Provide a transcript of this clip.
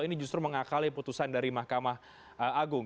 ini justru mengakali putusan dari mahkamah agung